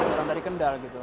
orang dari kendal gitu